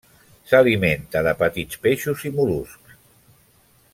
S'alimenta de petits peixos i mol·luscs.